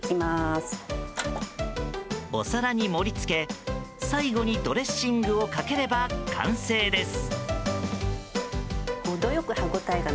お皿に盛り付け最後にドレッシングをかければ完成です。